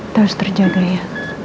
terus terjadi ya